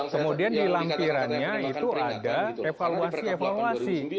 kemudian di lampirannya itu ada evaluasi evaluasi